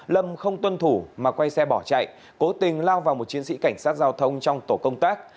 lâm không tuân thủ mà quay xe bỏ chạy cố tình lao vào một chiến sĩ cảnh sát giao thông trong tổ công tác